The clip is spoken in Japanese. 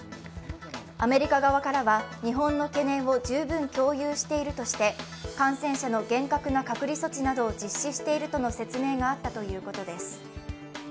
アメリカ側からは日本の懸念を十分共有しているとして感染者の厳格な隔離措置などを実施しているとの説明があったということです。